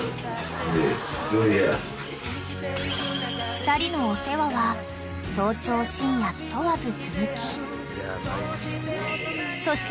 ［２人のお世話は早朝深夜問わず続きそして］